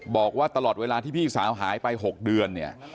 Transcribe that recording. บอกว่าตลอดเวลาที่พี่สาวหายไป๖เดือนเนี่ย